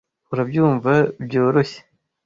Urabyumva byoroshye.